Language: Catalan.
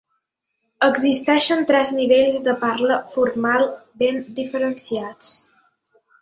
Existeixen tres nivells de parla formal ben diferenciats.